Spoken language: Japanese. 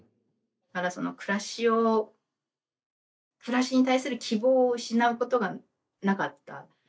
だからその暮らしを暮らしに対する希望を失うことがなかった。